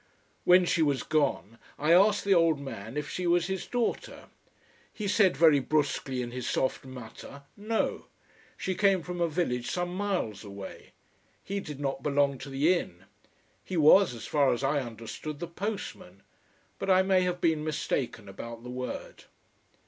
When she was gone I asked the old man if she was his daughter. He said very brusquely, in his soft mutter, No. She came from a village some miles away. He did not belong to the inn. He was, as far as I understood, the postman. But I may have been mistaken about the word.